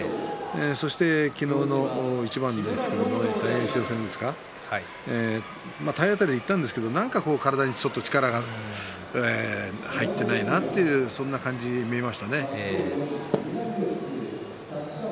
そして昨日の一番大栄翔戦ですか体当たりでいったんですけどもね何か、体に力が入っていないなという感じがしましたね。